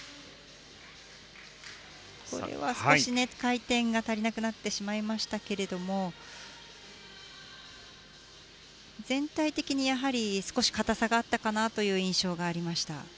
これは少し回転が足りなくなってしまいましたけれども全体的にやはり少し堅さがあったかなという印象がありました。